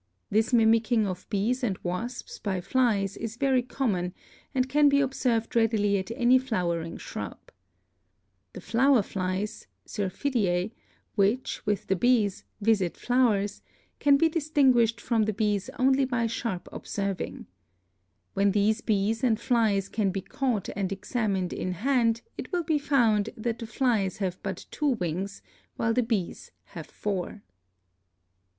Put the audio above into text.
This mimicking of bees and wasps by flies is very common, and can be observed readily at any flowering shrub. The flower flies (Syrphidse), which, with the bees, visit flowers, can be distinguished from the bees only by sharp observing. When these bees and flies can be caught and examined in hand it will be found that the flies have but two wings while the bees have four.